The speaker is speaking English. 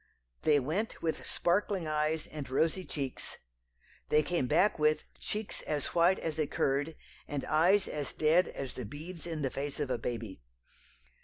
They went with sparkling eyes and rosy cheeks, they came back with "cheeks as white as a curd, and eyes as dead as the beads in the face of a baby."